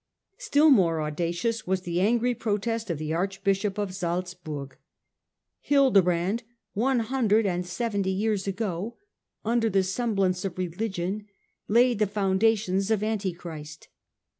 Still more audacious was the angry protest of the Arch bishop of Salzburg :" Hildebrand, one hundred and seventy years ago, under the semblance of religion, laid the foundations of Antichrist.